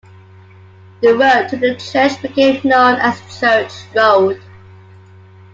The road to the church became known as Church Road.